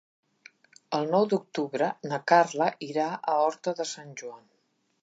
El nou d'octubre na Carla irà a Horta de Sant Joan.